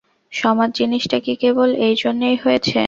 সমাজ জিনিসটা কি কেবল এইজন্যেই হয়েছে?